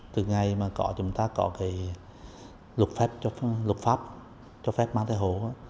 từ ngày mà chúng ta có cái luật pháp cho phép mang thai hộ